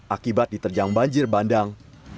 akibat diterjang banjir bandang